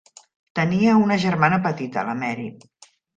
Tenia una germana petita, la Mary.